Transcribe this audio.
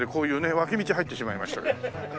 脇道入ってしまいましたけども。